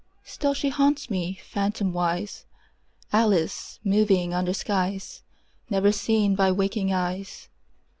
Still she haunts me, phantomwise, Alice moving under skies Never seen by waking eyes.